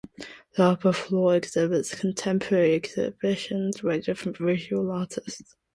The upper floor exhibits contemporary exhibitions by different visual artists.